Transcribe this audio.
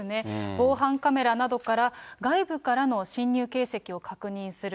防犯カメラなどから外部からの侵入形跡を確認する。